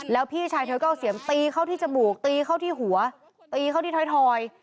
แล้วพี่ชายเธอก็เอาเสียมตีเข้าที่จมูกตีเข้าที่หัวตีเข้าที่ไทยทอย